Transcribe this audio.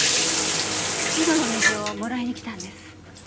井戸の水をもらいに来たんです。